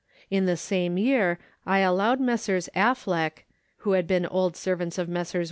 In the same year I allowed Messrs. Affleck, who had been old servants of Messrs.